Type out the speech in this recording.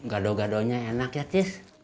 gadoh gadohnya enak ya tis